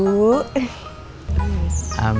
tak doain lancar bu